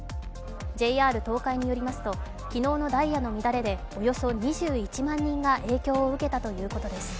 ＪＲ東海によりますと、昨日のダイヤの乱れでおよそ２１万人が影響を受けたということです。